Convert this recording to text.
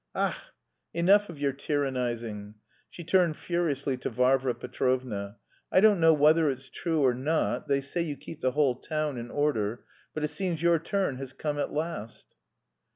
Ach, enough of your tyrannising!" She turned furiously to Varvara Petrovna. "I don't know whether it's true or not, they say you keep the whole town in order, but it seems your turn has come at last."